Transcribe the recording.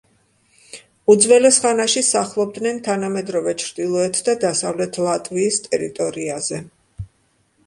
უძველეს ხანაში სახლობდნენ თანამედროვე ჩრდილოეთ და დასავლეთ ლატვიის ტერიტორიაზე.